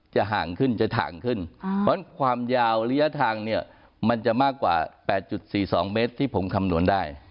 ห่างขึ้นจะห่างขึ้นเพราะความยาวระยะทางเนี่ยมันจะมากกว่า๘๔๒เมตรที่ผมคำนวณได้